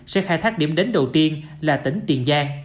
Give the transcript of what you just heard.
sẽ khai thác điểm đến đầu tiên là tỉnh tiền giang